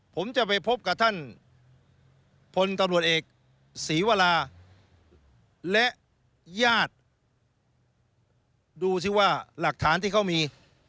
ผมจะไปพบกับท่านพลตำรวจเอกศรีวราและญาติดูสิว่าหลักฐานที่เขามี